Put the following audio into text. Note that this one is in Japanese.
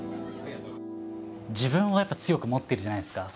自分をやっぱ強く持ってるじゃないですか。